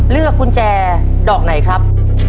เลือกกุญแจดอกไหนครับ